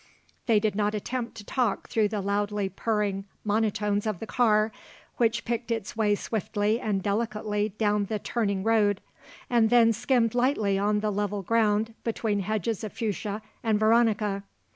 They did not attempt to talk through the loudly purring monotones of the car, which picked its way swiftly and delicately down the turning road and then skimmed lightly on the level ground between hedges of fuchsia and veronica.